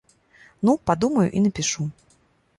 Ну, падумаю і напішу.